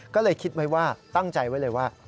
ก็เลยคิดไว้ว่าตั้งใจไว้เลยว่า